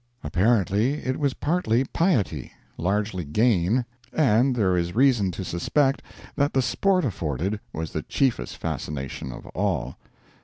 Apparently, it was partly piety, largely gain, and there is reason to suspect that the sport afforded was the chiefest fascination of all.